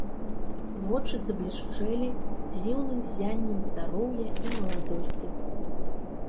Вочы заблішчэлі дзіўным ззяннем здароўя і маладосці.